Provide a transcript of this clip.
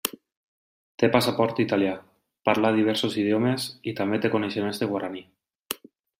Té passaport italià, parla diversos idiomes i també té coneixements de guaraní.